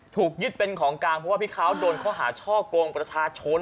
ถูกยึดเป็นของกลางเพราะว่าพี่เขาโดนข้อหาช่อกงประชาชน